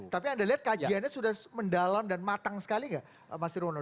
tapi anda lihat kajiannya sudah mendalam dan matang sekali nggak mas nirwono